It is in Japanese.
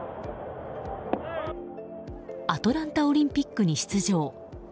アトランタオリンピックに出場。